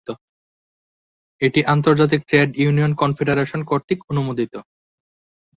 এটি আন্তর্জাতিক trade union confederation কর্তৃক অনুমোদিত।